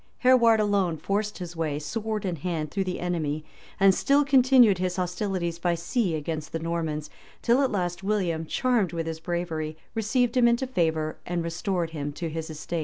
Hereward alone forced his way, sword in hand, through the enemy; and still continued his hostilities by sea against the Normans, till at last William, charmed with his bravery, received him into favor, and restored him to his estate.